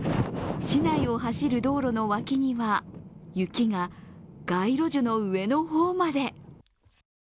市内を走る道路の脇には雪が街路樹の上の方まで。